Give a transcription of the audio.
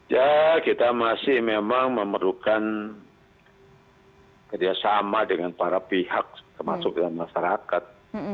ya kita masih memang memerlukan kerjasama dengan para pihak termasuk dengan masyarakat